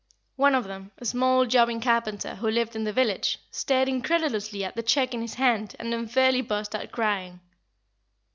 One of them, a small jobbing carpenter, who lived in the village, stared incredulously at the cheque in his hand and then fairly burst out crying.